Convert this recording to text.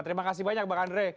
terima kasih banyak bang andre